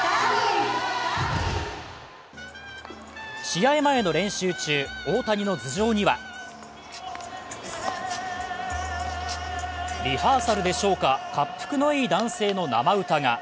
試合前の練習中、大谷の頭上にはリハーサルでしょうか、かっぷくのいい男性の生歌が。